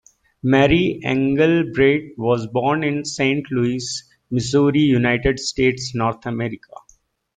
Mary Engelbreit was born in Saint Louis, Missouri, United States, North America.